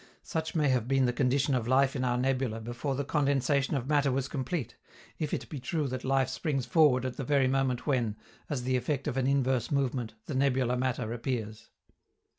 Such may have been the condition of life in our nebula before the condensation of matter was complete, if it be true that life springs forward at the very moment when, as the effect of an inverse movement, the nebular matter appears.